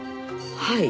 はい。